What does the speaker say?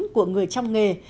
của người trong nghề